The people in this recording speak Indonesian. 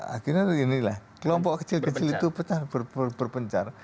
akhirnya beginilah kelompok kecil kecil itu berpencar